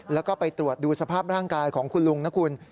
แล้วก็ไปตรวจดูสภาพร่างกายของคุณลุงนะคุณ